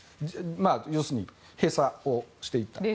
要するに閉鎖をしていた。